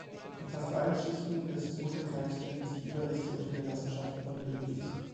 In fast allen Schichten des Muschelkalks finden sich Überreste und Hinterlassenschaften von Lebewesen.